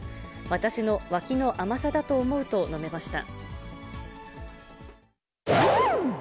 私の脇の甘さだと思うと述べました。